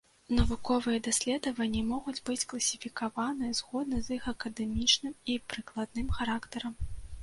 Навуковыя даследаванні могуць быць класіфікаваны згодна з іх акадэмічным і прыкладным характарам.